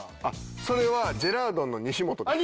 それはジェラードンのにしもとです。